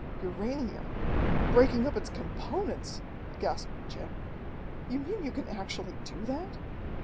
"Uranium!... Breaking up its components!" gasped Jim. "You mean you can actually do that?"